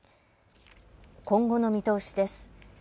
今後の見通しです。